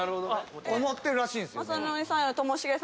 思ってるらしいんすよ。